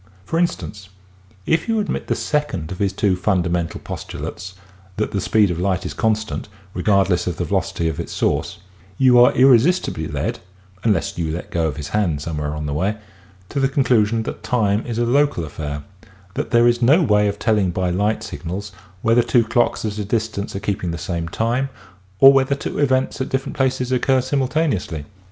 For instance, if you admit the second of his two fundamental postu lates, that the speed of light is constant, regardless of the velocity of its source, you are irresistibly led — unless you let go of his hand somewhere on the way — to the conclusion that time is a local affair; that there is no way of telling by light signals whether two clocks at a distance are keeping the same time, or whether two events at different places occur simultaneously.